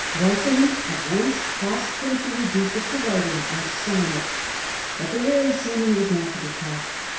Walsing ham at once asked him to reduce it to writing and sign it But the wary seaman was not to be caught.